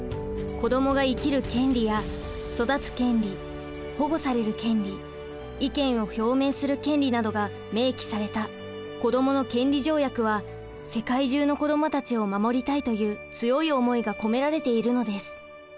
子どもが生きる権利や育つ権利保護される権利意見を表明する権利などが明記された子どもの権利条約は世界中の子どもたちを守りたいという強い思いが込められているのです。